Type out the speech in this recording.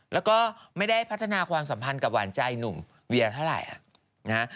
แล้วก็ไม่ได้พัฒนาความสัมพันธ์กับหวานใจหนุ่มเวียเท่าไหร่นะฮะ